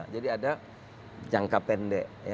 jadi ada jangka pendek